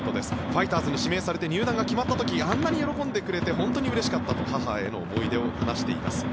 ファイターズに指名されて入団が決まった時あんなに喜んでくれて本当にうれしかったと母への思い出を話しています。